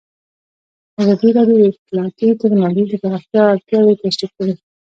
ازادي راډیو د اطلاعاتی تکنالوژي د پراختیا اړتیاوې تشریح کړي.